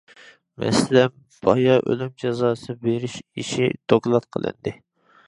مەسىلەن، بايا ئۆلۈم جازاسى بېرىش ئىشى دوكلات قىلىندى.